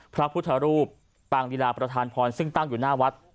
พระพุทธรูปปางลีลาประธานพรซึ่งตั้งอยู่หน้าวัด